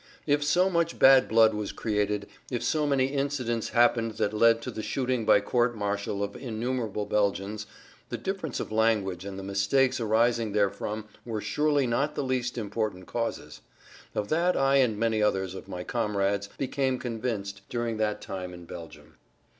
If so much bad blood[Pg 27] was created, if so many incidents happened that led to the shooting by court martial of innumerable Belgians, the difference of language and the mistakes arising therefrom were surely not the least important causes; of that I and many others of my comrades became convinced during that time in Belgium.